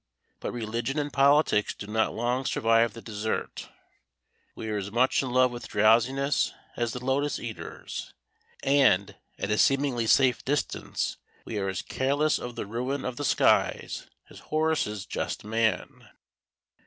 But religion and politics do not long survive the dessert. We are as much in love with drowsiness as the lotus eaters, and at a seemingly safe distance we are as careless of the ruin of the skies as Horace's just man.